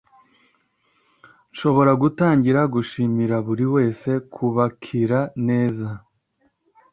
Nshobora gutangira gushimira buriwese kubakira neza